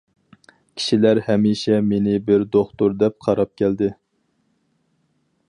كىشىلەر ھەمىشە مېنى بىر دوختۇر دەپ قاراپ كەلدى.